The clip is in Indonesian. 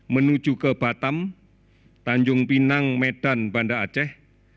menuju ke batam tanjung pinang medan banda aceh